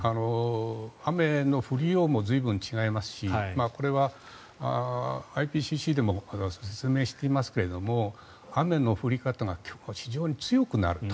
雨の降りようも随分違いますしこれは、ＩＰＣＣでも説明していますが雨の降り方が非常に強くなると。